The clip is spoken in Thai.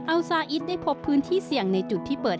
ซาอิสได้พบพื้นที่เสี่ยงในจุดที่เปิด